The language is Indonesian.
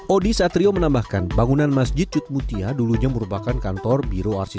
odi sartrio menambahkan bangunan masjid cudmutia dulunya merupakan kantor biroaktif